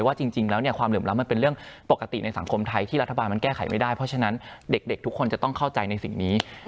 ว่าจริงแล้วความเหลื่อมล้ำมันเป็นเรื่องปกติในสังคมไทยที่รัฐบาลมันแก้ไขไม่ได้เพราะฉะนั้นเด็กทุกคนจะต้องเข้าใจในสิ่งนี้